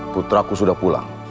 putraku sudah pulang